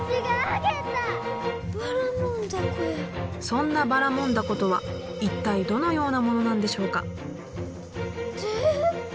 そんなばらもん凧とは一体どのようなものなんでしょうか？